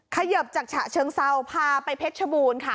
เขยิบจากฉะเชิงเซาพาไปเพชรชบูรณ์ค่ะ